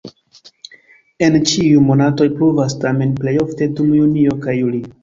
En ĉiuj monatoj pluvas, tamen plej ofte dum junio kaj julio.